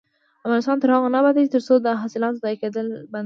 افغانستان تر هغو نه ابادیږي، ترڅو د حاصلاتو ضایع کیدل بند نشي.